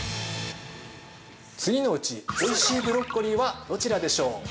次のうち、おいしいブロッコリーはどちらでしょう？